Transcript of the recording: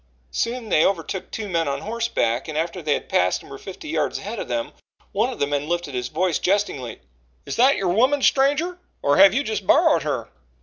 Soon they overtook two men on horseback, and after they passed and were fifty yards ahead of them, one of the men lifted his voice jestingly: "Is that your woman, stranger, or have you just borrowed her?"